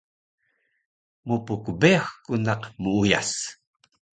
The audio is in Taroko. Mpkbeyax ku naq muuyas